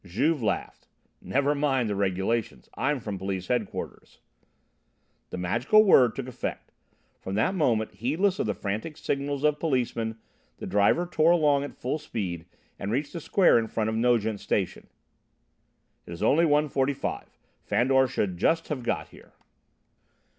Juve laughed. "Never mind the regulations, I'm from Police Headquarters." The magical word took effect. From that moment, heedless of the frantic signals of policemen, the driver tore along at full speed and reached the square in front of Nogent Station. "It is only 1.45 Fandor should just have got here."